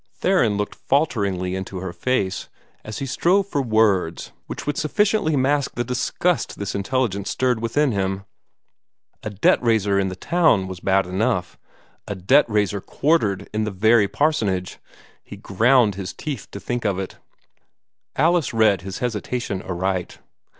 Theron looked falteringly into her face, as he strove for words which should sufficiently mask the disgust this intelligence stirred within him. A debt raiser in the town was bad enough! A debt raiser quartered in the very parsonage! he ground his teeth to think of it. Alice read his hesitation aright.